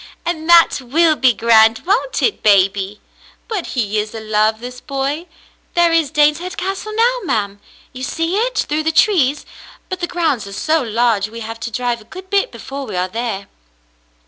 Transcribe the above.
"And that will be grand, won't it, baby ? But he is a Cassandra at Queensderry ^81 love, this boy ! There is Daneshead Castle now, ma'm. You see it through the trees, but the grounds are so large we have to drive a good bit before we are there."